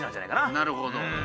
なるほど。